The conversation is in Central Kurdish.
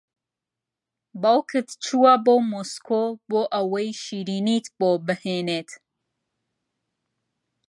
باوکت چووە بۆ مۆسکۆ بۆ ئەوەی شیرینیت بۆ بھێنێت